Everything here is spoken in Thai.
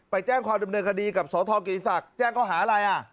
ไปแจ้งความดำเนินคดีกับสทกิติศักดิ์แจ้งเขาหาอะไรอ่ะ